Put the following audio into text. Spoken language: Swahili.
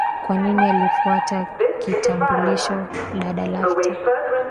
kwa nini ulitafuta kitambulisho dada laughter